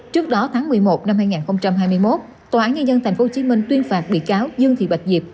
trước đó tháng một mươi một năm hai nghìn hai mươi một tòa án nhân dân tp hcm tuyên phạt bị cáo dương thị bạch diệp